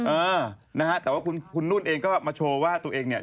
เออนะฮะแต่ว่าคุณนุ่นเองก็มาโชว์ว่าตัวเองเนี่ย